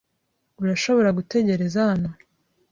Urashobora gutegereza hano.